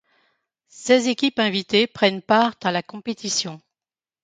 Seize équipes invitées prennent part à la compétition.